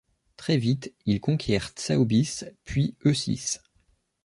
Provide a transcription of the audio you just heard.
Très vite, il conquiert Tsaobis, puis Heusis.